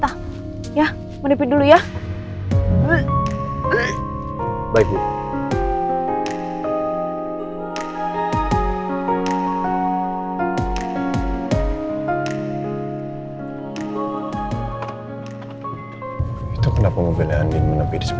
apa bagaimana jakie edw apa lebih luar biasa sepertinya full tanah hearts dulu